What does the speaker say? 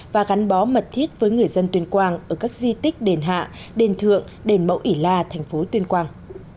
và gắn bó mật thiết với người dân tuyên quang ở các di tích đền hạ đền thượng đền mẫu ỉ la thành phố tuyên quang